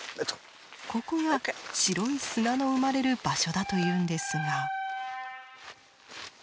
ここが白い砂の生まれる場所だというんですが。